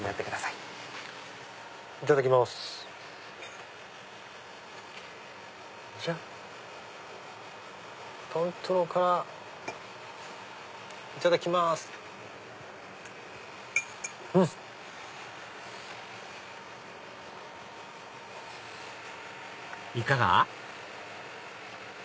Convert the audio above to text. いかが？